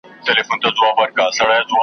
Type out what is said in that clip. زه به په چیغو چیغو زړه درسره وژړوم .